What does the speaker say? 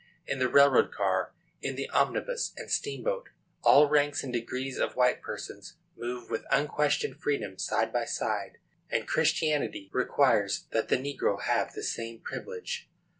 In the railroad car, in the omnibus and steamboat, all ranks and degrees of white persons move with unquestioned freedom side by side; and Christianity requires that the negro have the same privilege.